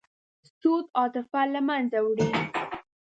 سود عاطفه له منځه وړي.